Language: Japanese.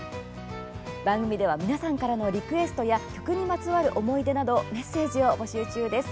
番組では皆さんからのリクエストや曲にまつわる思い出などメッセージを募集中です。